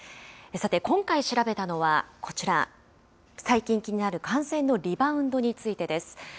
さて、今回調べたのはこちら、最近気になる感染のリバウンドについてです。